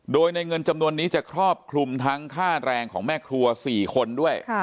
โดยในเงินจำนวนนี้จะครอบคลุมทั้งค่าแรงของแม่ครัว๔คนด้วย